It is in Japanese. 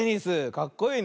かっこいいね。